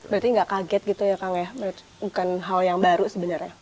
berarti nggak kaget gitu ya kang ya bukan hal yang baru sebenarnya